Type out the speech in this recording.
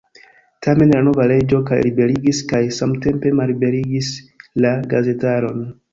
Tamen la nova leĝo kaj liberigis kaj samtempe malliberigis la gazetaron.